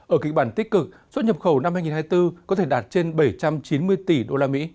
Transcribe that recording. ở kịch bản tích cực xuất nhập khẩu năm hai nghìn hai mươi bốn có thể đạt trên bảy trăm chín mươi tỷ usd